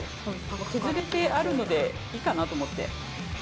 削れてあるのでいいかなと思って。